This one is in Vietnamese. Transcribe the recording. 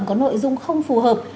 có nội dung không phù hợp